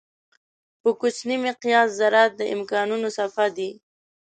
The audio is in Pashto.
په کوچني مقیاس ذرات د امکانانو څپه دي.